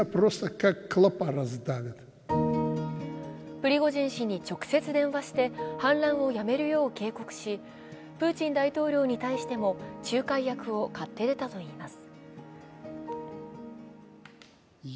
プリゴジン氏に直接電話して反乱をやめるよう警告しプーチン大統領に対しても、仲介役を買って出たといいます。